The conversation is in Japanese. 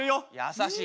優しい。